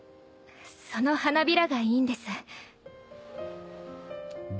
その花びらがいいんです。